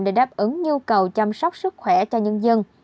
để đáp ứng nhu cầu chăm sóc sức khỏe cho nhân dân